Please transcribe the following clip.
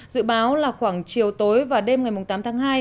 dự báo là khoảng chiều tối và đêm ngày tám tháng hai